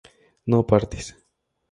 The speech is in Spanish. no partes